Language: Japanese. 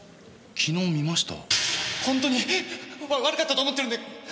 昨日見ました？